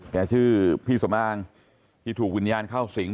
ชื่อพี่สำอางที่ถูกวิญญาณเข้าสิง